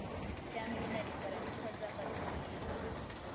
cyangwa intare ifarashi uko azafata umuhigo.